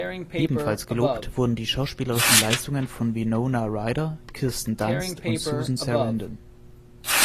Ebenfalls gelobt wurden die schauspielerischen Leistungen von Winona Ryder, Kirsten Dunst und Susan Sarandon.